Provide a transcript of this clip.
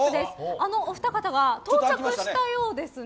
あのお二方が到着したようですね。